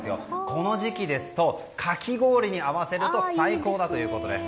この時期ですと、かき氷に合わせると最高だということです。